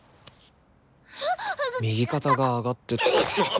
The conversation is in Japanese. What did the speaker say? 右肩が上がって。